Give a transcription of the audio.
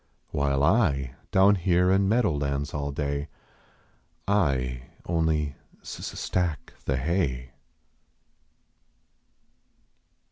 While I, down here in meadow lands all day, I onlv s s stack the hav.